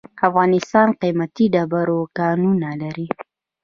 افغانستان قیمتي ډبرو کانونه لري.